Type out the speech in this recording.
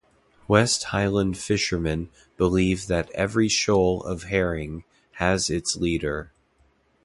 West Highland fishermen believe that every shoal of herring has its leader.